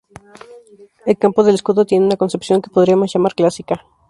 El campo del escudo tiene una concepción que podríamos llamar clásica.